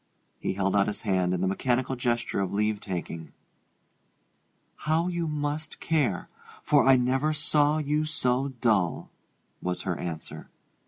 He held out his hand in the mechanical gesture of leave taking. "How you must care! for I never saw you so dull," was her answer.